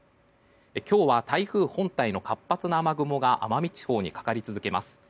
今日は台風本体の活発な雨雲が奄美地方にかかり続けます。